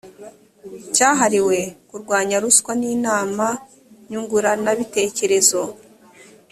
cyahariwe kurwanya ruswa n inama nyunguranabitekerezo